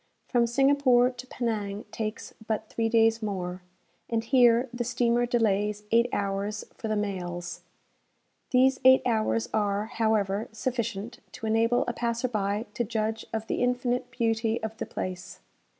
From Singapore to Penang takes but three days more, and here the steamer delays eight hours for the mails. These eight hours are, however, sufficient to enable a passer by to judge of the infinite beauty of the place.